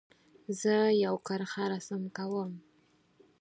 زه یو کرښه رسم کوم.